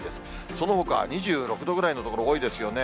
そのほか２６度ぐらいの所、多いですよね。